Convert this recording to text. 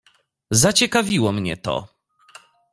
"Zaciekawiło mnie to."